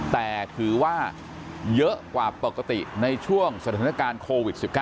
แต่ถือว่าเยอะกว่าปกติในช่วงสถานการณ์โควิด๑๙